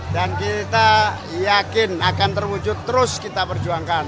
kita yakin akan terwujud terus kita perjuangkan